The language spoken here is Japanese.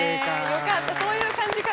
よかったそういう感じか。